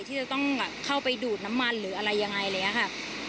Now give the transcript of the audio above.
ที่จะต้องเข้าไปดูดน้ำมันหรืออะไรยังไงเลยค่ะ